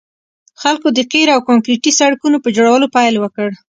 خلکو د قیر او کانکریټي سړکونو په جوړولو پیل وکړ